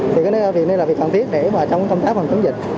thì cái này là việc cần thiết để mà trong công tác